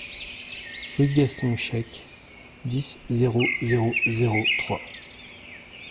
Rue Gaston Checq, dix, zéro zéro zéro Troyes